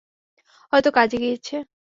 হয়তো কাজে গিয়েছি।